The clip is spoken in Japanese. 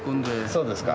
そうですか。